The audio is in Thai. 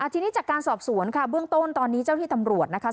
ทีนี้จากการสอบสวนค่ะเบื้องต้นตอนนี้เจ้าที่ตำรวจนะคะ